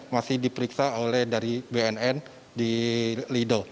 masih diperiksa oleh dari bnn di lido